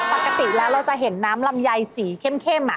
ปกติแล้วเราจะเห็นน้ำลำไยสีเข้ม